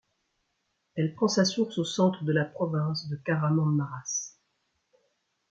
Elle prend sa source au centre de la province de Kahramanmaraş.